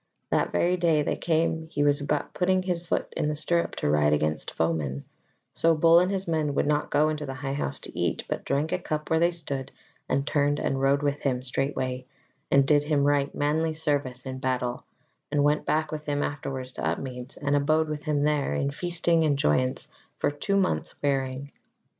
That very day they came he was about putting his foot in the stirrup to ride against the foemen; so Bull and his men would not go into the High House to eat, but drank a cup where they stood, and turned and rode with him straightway, and did him right manly service in battle; and went back with him afterwards to Upmeads, and abode with him there in feasting and joyance for two months' wearing.